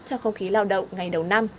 cho không khí lao động ngày đầu năm